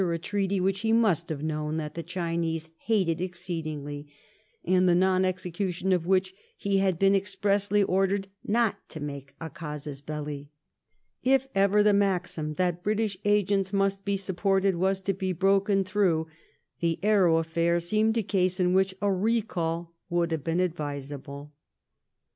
185 a treaty which he must have known that the Ghine&e hated exceedingly, and the non execation of which he had been expressly ordered not to make a casus bellu If ever the maxim that British agents must be sup ported was to be broken throngh, the " Arrow " affair seemed a case in which a recall would have been advisable.